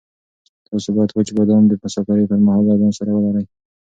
تاسو باید وچ بادام د مسافرۍ پر مهال له ځان سره ولرئ.